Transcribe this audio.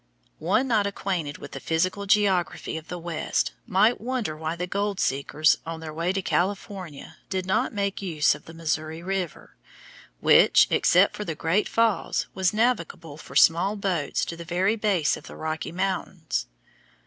One not acquainted with the physical geography of the West might wonder why the gold seekers on their way to California did not make use of the Missouri River, which, except for the Great Falls, was navigable for small boats to the very base of the Rocky Mountains.